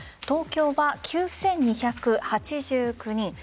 東京は９２８９人